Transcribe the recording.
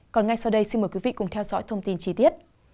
còn ngay sau đây xin mời quý vị cùng theo dõi thông tin chi tiết